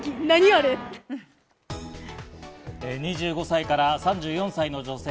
２５歳から３４歳の女性